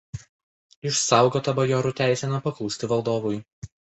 Išsaugota bajorų teisė nepaklusti valdovui.